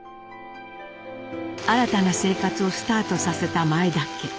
新たな生活をスタートさせた前田家。